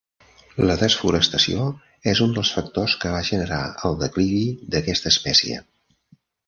La desforestació és un dels factors que van generar el declivi d"aquesta espècie.